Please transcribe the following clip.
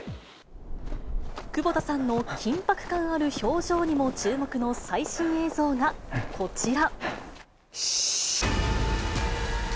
窪田さんの緊迫感ある表情にも注目の最新映像がこちら。